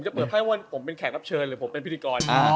เปิดไพ่วันผมเป็นแขกรับเชิญหรือผมเป็นพิธีกร